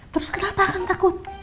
terus kenapa akang takut